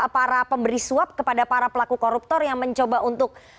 para pemberi suap kepada para pelaku koruptor yang mencoba untuk